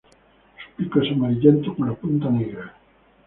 Su pico es amarillento con la punta negra.